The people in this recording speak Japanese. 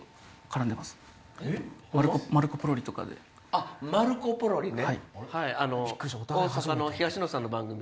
あっ『マルコポロリ！』ね。